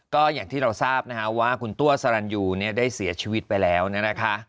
ก็อย่างที่เราทราบนะคะว่าคุณตัวสรรยูเนี่ยได้เสียชีวิตไปแล้วนะคะ